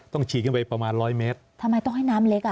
ต้องฉีดขึ้นไปประมาณ๑๐๐เมตรทำไมต้องให้น้ำเล็ก